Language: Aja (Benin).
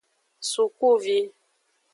Sukuvi.